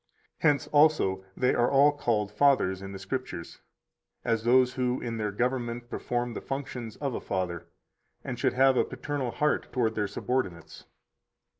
Hence also they are all called fathers in the Scriptures, as those who in their government perform the functions of a father, and should have a paternal heart toward their subordinates.